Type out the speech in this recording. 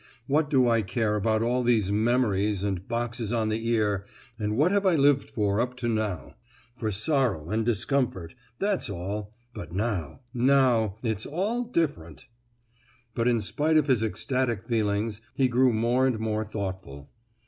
What do I care about all these 'memories' and boxes on the ear; and what have I lived for up to now?—for sorrow and discomfort—that's all! but now, now—it's all different!" But in spite of his ecstatic feelings he grew more and more thoughtful.